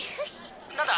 何だ？